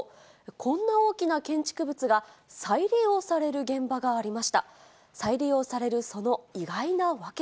こんな大きな建築物が、再利用される現場がありました。